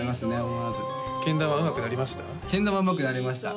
思わずけん玉うまくなりました？